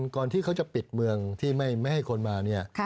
ก่อนที่เขาจะปิดเมืองที่ไม่ให้คนมาเนี่ย